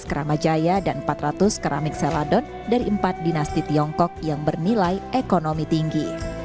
empat belas keramajaya dan empat ratus keramik seladon dari empat dinasti tiongkok yang bernilai ekonomi tinggi